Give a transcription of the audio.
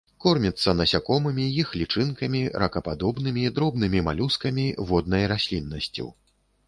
Корміцца насякомымі, іх лічынкамі, ракападобнымі, дробнымі малюскамі, воднай расліннасцю.